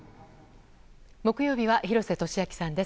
木曜日は廣瀬俊朗さんです。